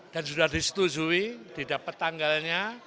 dan sudah disetujui didapat tanggalnya